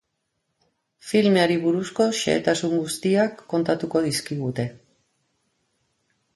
Filmeari buruzko xehetasun guztiak kontatuko dizkigute.